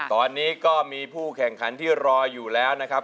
ตอนนี้ก็มีผู้แข่งขันที่รออยู่แล้วนะครับ